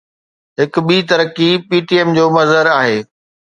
هڪ ٻي ترقي PTM جو مظهر آهي.